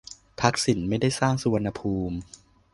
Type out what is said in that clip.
ทักษิณไม่ได้สร้างสุวรรณภูมิ